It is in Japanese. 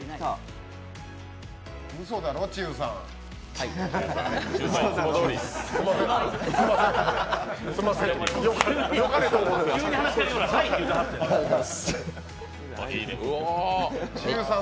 うそだろ、チウさん。